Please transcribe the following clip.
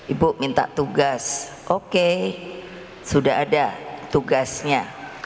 ibu minta tugas oke sudah ada tugasnya